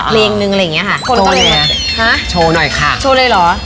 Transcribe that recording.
แล้วก็กระดกเอวขึ้นลง